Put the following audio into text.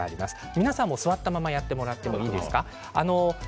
皆さんも座ったままやってもらっていいですか。